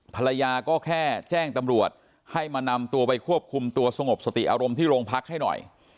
ภรรยาก็แค่แจ้งตำรวจให้มานำตัวไปควบคุมตัวสงบสติอารมณ์ที่โรงพักให้หน่อย